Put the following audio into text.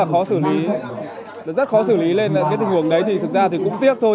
khó xử lý rất khó xử lý lên là cái tình huống đấy thì thực ra thì cũng tiếc thôi